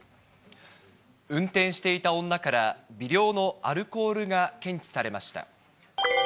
運転していた女から、微量のアルコールが検知されました。